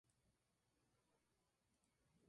Alcanzar la edad adulta es mucho más raro para los peces.